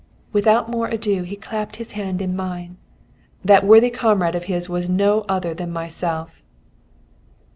"Without more ado he clapped his hand in mine: 'That worthy comrade of his was no other than myself.'